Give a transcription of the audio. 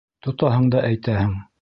Тотаһың да әйтәһең.